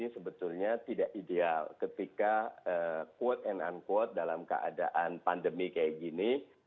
sebetulnya tidak ideal ketika quote and unquote dalam keadaan pandemi kayak gini